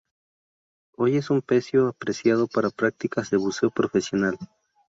Hoy es un pecio apreciado para prácticas de buceo profesional.